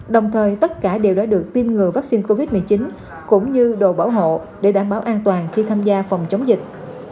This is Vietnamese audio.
đồng thời tất cả đều đã được tiêm ngừa vaccine covid một mươi chín cũng như đồ bảo hộ để đảm bảo an toàn khi tham gia phòng chống dịch